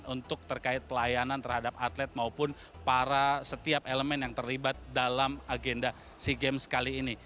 untuk terkait pelayanan terhadap atlet maupun para setiap elemen yang terlibat dalam agenda sea games kali ini